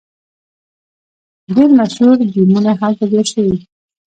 ډیر مشهور ګیمونه هلته جوړ شوي.